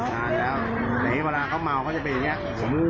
เดี๋ยวนี้เวลาเขาเมาเขาจะไปอย่างนี้